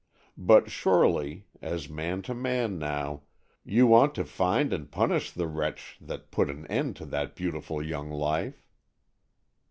But surely,—as man to man, now,—you want to find and punish the wretch that put an end to that beautiful young life."